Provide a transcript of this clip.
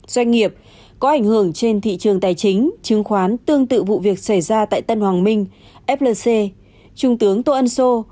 doanh nghiệp có ảnh hưởng trên thị trường tài chính chứng khoán tương tự vụ việc xảy ra tại tân hoàng minh flc trung tướng tô ân sô